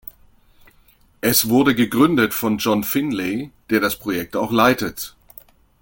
Es wurde gegründet von John Finlay, der das Projekt auch leitet.